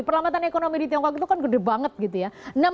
perlambatan ekonomi di tiongkok itu kan gede banget gitu ya